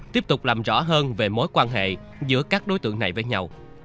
tiếp tục làm rõ hơn về mối quan hệ giữa các đối tượng này với nhau